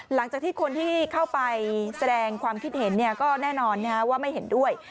หลังจากที่คนที่เข้าไปแสดงความคิดเห็นก็แน่นอนว่าไม่เห็นด้วย